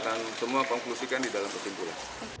dan semua konklusikan di dalam kesimpulan